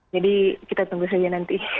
jadi kita tunggu saja nanti